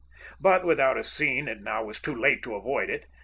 But, without a scene, it now was too late to avoid it.